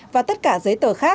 và tất cả giấy tờ khác